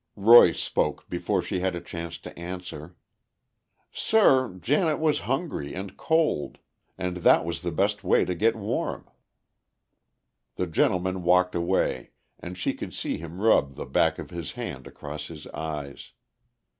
Roy spoke before she had a chance to answer: "Sir, Janet was hungry and cold, and that was the best way to get warm." The gentleman walked away, and she could see him rub the back of his hand across his eyes.